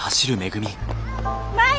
舞！